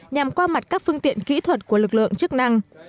nhằm qua mặt các phương tiện kỹ thuật của lực lượng chức năng